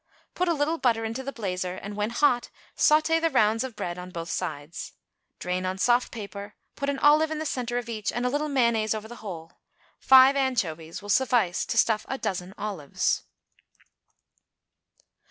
Put a little butter into the blazer, and, when hot, sauté the rounds of bread on both sides; drain on soft paper, put an olive in the centre of each and a little mayonnaise over the whole. Five anchovies will suffice to stuff a dozen olives.